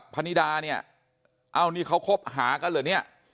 พนิดาเนี่ยเอ้านี่เขาคบหากันเหรอเนี่ย